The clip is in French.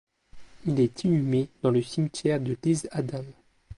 Il est inhumé dans le cimetière de L'Isle-Adam.